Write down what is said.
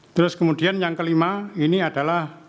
terus kemudian yang kelima ini adalah